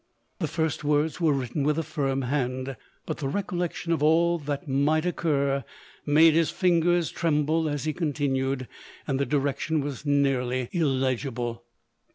The first words were written with a firm hand; but the recollection of all that might occur, made his fingers tremble as he continued, and the di rection was nearly illegible.